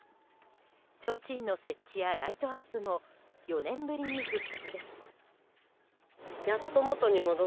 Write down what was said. ちょうちんの設置やライトアップも４年ぶりに復活です。